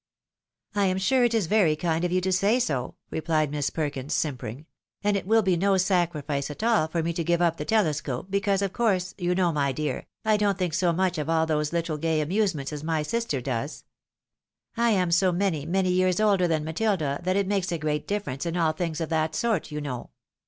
" I am sure, it is very kind of you to say so," replied Miss Perkins, simpering, " and it will be no sacrifice at all for me to give up the telescopfe, because, of course, you know, my dear, I don't think so much of all those httle gay amusements as my sister does. I am so many, many years older than Matilda, that it makes a great difference in all things of that sort, you know.